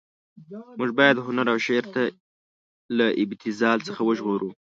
موږ باید هنر او شعر له ابتذال څخه وژغورو.